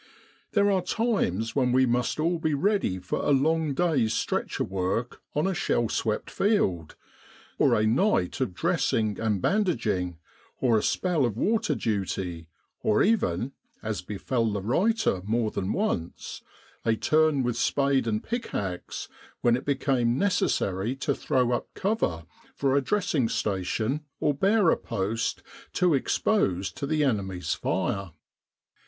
There are times when we must all be ready for a long day's stretcher work on a shell swept field, or a night of dressing and bandaging, or a spell of water duty, or even as befell the writer more than once a turn with spade and pickaxe when it became necessary to throw up cover for a dressing station or bearer post too exposed to the enemy's fire.